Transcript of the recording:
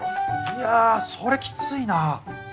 いやそれきついな。